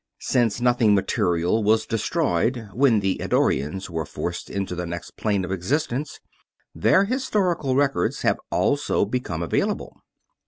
Since nothing material was destroyed when the Eddorians were forced into the next plane of existence, their historical records also have become available.